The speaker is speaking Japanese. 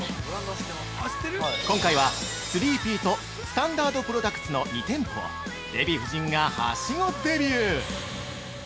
今回は、スリーピーとスタンダードプロダクツの２店舗をデヴィ夫人がはしごデビュー。